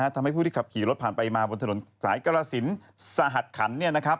ทำให้ผู้ที่ขับขี่รถผ่านไปมาบนถนนสายกรสินสหัสขัน